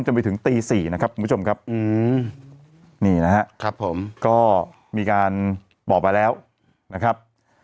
ไปถึงตี๔นะครับคุณผู้ชมครับนี่นะครับผมก็มีการบอกมาแล้วนะครับ